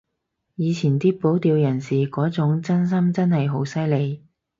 以前啲保釣人士嗰種真心真係好犀利